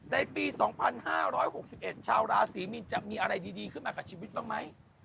ในปี๒๕๖๑ชาวราศีมีนจะมีอะไรดีขึ้นมากับชีวิตบ้างไหม